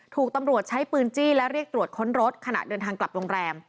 ถูกตำรวจใช้ปืนจี้และเรียกตรวจค้นรถขณะเดินทางกลับโรงแรม